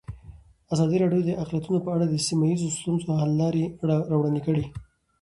ازادي راډیو د اقلیتونه په اړه د سیمه ییزو ستونزو حل لارې راوړاندې کړې.